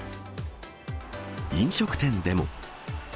飲食店でも。